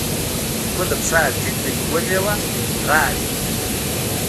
خپله پښه يې ټينګه نيولې وه بوغارې يې وهلې.